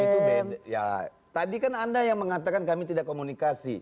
itu ya tadi kan anda yang mengatakan kami tidak komunikasi